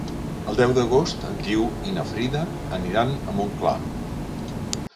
El deu d'agost en Guiu i na Frida aniran a Montclar.